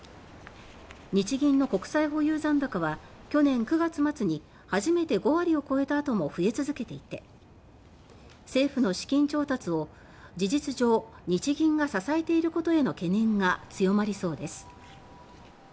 日銀の国債保有残高は去年９月末に初めて５割を超えたあとも増え続けていて政府の資金調達を事実上日銀が支えていることへの懸念が強まりそうです。